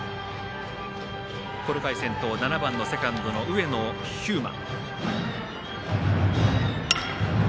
この回先頭、７番セカンドの上野飛馬。